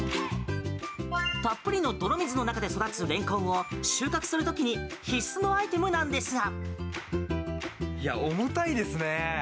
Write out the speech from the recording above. たっぷりの泥水の中で育つレンコンを収穫する時に必須のアイテムなんですが。